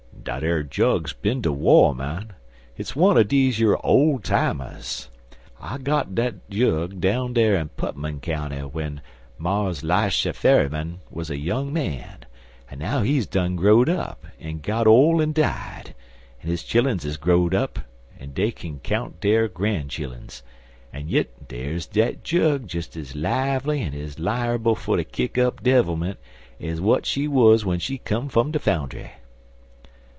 "Dat ar jug's bin ter wah, mon. Hit's wunner deze yer ole timers. I got dat jug down dar in Putmon County w'en Mars 'Lisha Ferryman wuz a young man, an' now he's done growed up, an' got ole an' died, an' his chilluns is growed up an' dey kin count dere gran'chilluns, an' yit dar's dat jug des ez lively an' ez lierbul fer ter kick up devilment ez w'at she wuz w'en she come fum de foundry."